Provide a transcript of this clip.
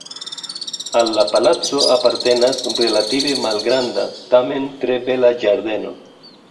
Al la palaco apartenas relative malgranda, tamen tre bela ĝardeno.